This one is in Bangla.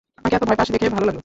আমাকে এত ভয় পাস দেখে ভালো লাগল!